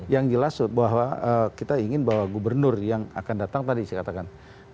yang jelas bahwa kita ingin bahwa gubernur yang akan datang tadi saya katakan